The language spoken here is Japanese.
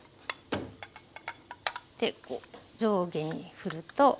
でこう上下に振ると。